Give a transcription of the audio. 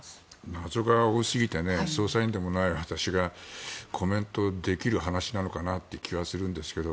謎が多すぎて捜査員でもない私がコメントできる話なのかなという気はするんですが。